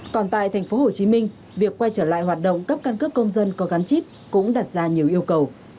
còn tại tp hcm việc quay trở lại hoạt động cấp căn cước công dân có gắn chip cũng đặt ra nhiều yêu cầu